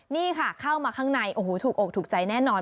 นี่ค่ะเข้ามาข้างในโอ้โหถูกอกถูกใจแน่นอน